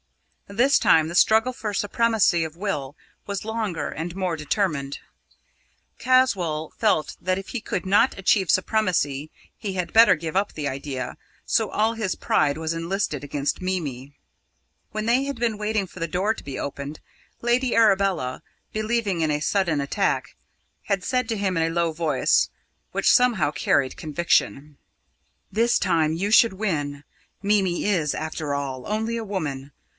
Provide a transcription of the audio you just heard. This time the struggle for supremacy of will was longer and more determined. Caswall felt that if he could not achieve supremacy he had better give up the idea, so all his pride was enlisted against Mimi. When they had been waiting for the door to be opened, Lady Arabella, believing in a sudden attack, had said to him in a low voice, which somehow carried conviction: "This time you should win. Mimi is, after all, only a woman.